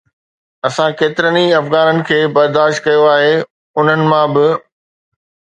اسان ڪيترن ئي افغانن کي برداشت ڪيو آهي، انهن مان به